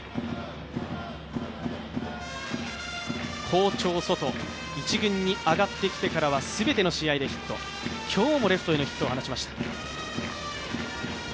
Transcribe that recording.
好調ソト、１軍に上がってきてからは全ての試合でヒット、今日もレフトへのヒットを放ちました。